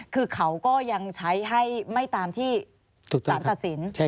คือเขาก็ยังใช้ให้ไม่ตามที่สารตัดสิน